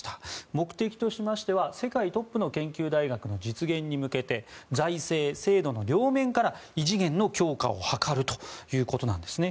目的としては世界トップの研究大学の実現に向けて財政・制度の両面から異次元の強化を図るということなんですね。